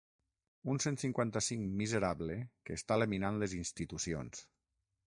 Un cent cinquanta-cinc ‘miserable que està laminant les institucions’.